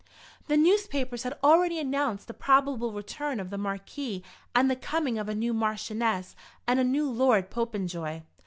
The newspapers had already announced the probable return of the Marquis and the coming of a new Marchioness and a new Lord Popenjoy.